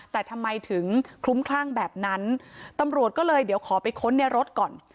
แต่ทำไมถึงคลุ้มคลั่งแบบนั้นตำรวจก็เลยเดี๋ยวขอไปค้นในรถก่อน